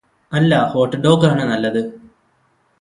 അല്ല hot dog ആണ് നല്ലത്